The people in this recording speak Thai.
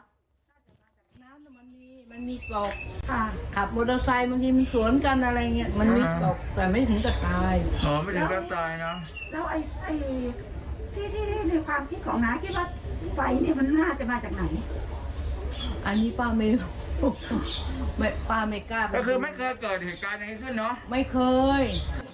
คือไม่เคยเกิดเหตุการณ์อย่างนี้ขึ้นเนอะไม่เคย